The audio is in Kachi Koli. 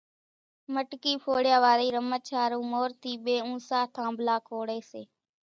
مٽڪي ڦوڙيا واري رمچ ۿارُو مور ٿي ٻي اُونسا ٿانڀلا کوڙي سي،